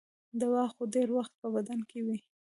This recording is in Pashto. دوا خو ډېر وخت په بدن کې وي.